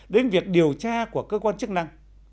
đến việc điều tra của cơ quan chức năng